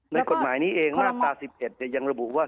กฎหมายนี้เองมาตรา๑๑ยังระบุว่า